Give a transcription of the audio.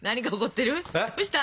どうした？